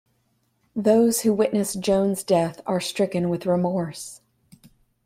Those who witness Joan's death are stricken with remorse.